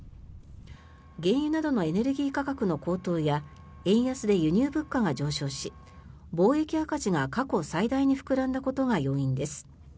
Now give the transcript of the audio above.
原油などのエネルギー価格の高騰や円安で輸入物価が上昇し貿易赤字が過去最大に膨らんだことが要因です。